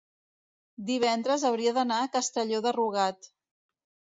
Divendres hauria d'anar a Castelló de Rugat.